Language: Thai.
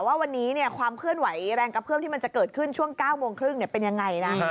ว่าวันนี้ความเคลื่อนไหวแรงกระเพื่อมที่มันจะเกิดขึ้นช่วง๙โมงครึ่งเป็นยังไงนะ